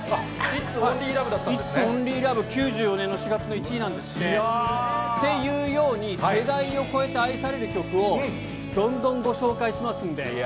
イッツオンリーラブ、９４年の４月の１位なんですって。というように、世代を超えて愛される曲を、どんどんご紹介します